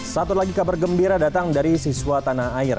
satu lagi kabar gembira datang dari siswa tanah air